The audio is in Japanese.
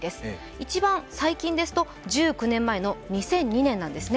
一番最近ですと１９年前の２００２年なんですね。